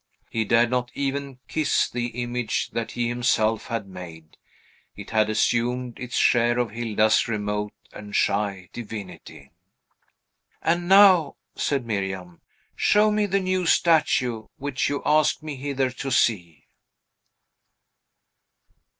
He dared not even kiss the image that he himself had made: it had assumed its share of Hilda's remote and shy divinity. "And now," said Miriam, "show me the new statue which you asked me hither to see."